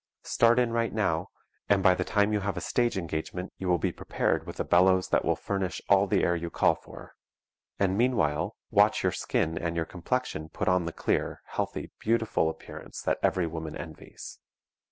Start in right now, and by the time you have a stage engagement you will be prepared with a bellows that will furnish all the air you call for and meanwhile watch your skin and your complexion put on the clear, healthy, beautiful appearance that every woman envies.